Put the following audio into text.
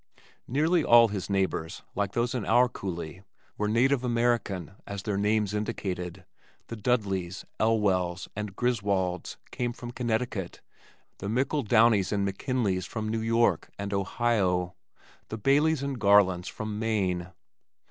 Nearly all his neighbors, like those in our coulee, were native American as their names indicated. The Dudleys, Elwells, and Griswolds came from Connecticut, the McIldowneys and McKinleys from New York and Ohio, the Baileys and Garlands from Maine.